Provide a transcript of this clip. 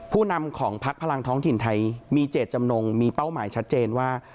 ผู้นำของพักพลังท้องถิ่นไทยมีเจตจำนงมีเป้าหมายชัดเจนว่า